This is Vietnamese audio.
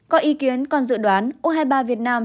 có ý kiến còn dự đoán u hai mươi ba việt nam